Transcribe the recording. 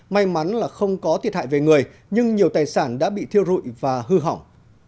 may mắn là không có thiệt hại về người nhưng nhiều tài sản đã bị thiêu rụi và hư hỏng